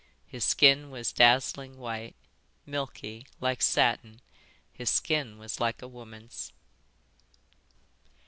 His skin was dazzling white, milky, like satin; his skin was like a woman's."